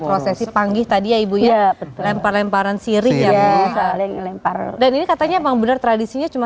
prosesi panggih tadi ya ibunya lempar lemparan sirih dan ini katanya emang bener tradisinya cuma